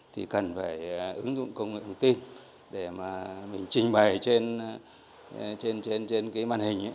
thì cần phải ứng dụng công nghệ thông tin để mà mình trình bày trên cái màn hình